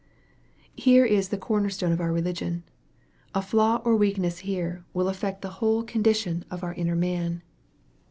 Here is the corner stone of our religion. A flaw or weakness here will affect the whole condition MARK, CHAP. XI. 239 of our inner man.